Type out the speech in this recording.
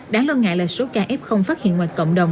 đáng lo ngại là số ca f phát hiện ngoài cộng đồng